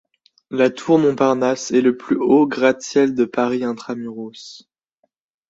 La Tour Montparnasse est le plus haut gratte-ciel de Paris intra-muros.